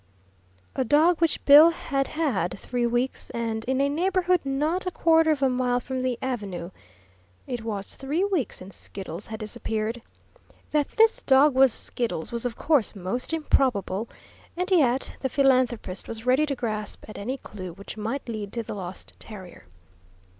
A dog which Bill had had three weeks and in a neighbourhood not a quarter of a mile from the avenue. It was three weeks since Skiddles had disappeared. That this dog was Skiddles was of course most improbable, and yet the philanthropist was ready to grasp at any clue which might lead to the lost terrier.